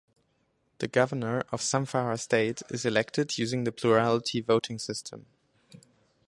The Governor of Zamfara State is elected using the plurality voting system.